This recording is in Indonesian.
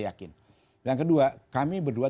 yakin dan kedua kami berdua